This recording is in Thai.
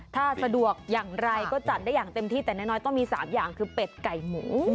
ถ้าสะดวกอย่างไรก็จัดได้อย่างเต็มที่แต่น้อยต้องมี๓อย่างคือเป็ดไก่หมู